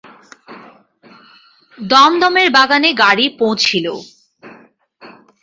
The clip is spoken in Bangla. দমদমের বাগানে গাড়ি পৌঁছিল।